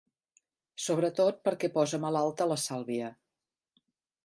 Sobretot perquè posa malalta la Sàlvia.